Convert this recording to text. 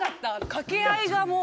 かけ合いがもう。